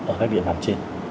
ở các biện pháp trên